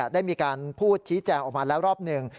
ได้มีการพูดชี้แจงออกมาแล้วรอบหนึ่ง